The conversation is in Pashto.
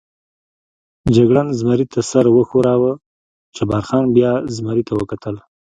جګړن زمري ته سر و ښوراوه، جبار خان بیا زمري ته وکتل.